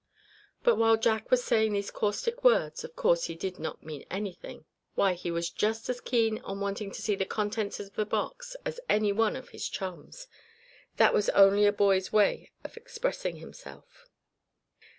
But while Jack was saying these caustic words, of course he did not mean anything. Why, he was just about as keen on wanting to see the contents of the box as any one of his chums. That was only a boy's way of expressing himself.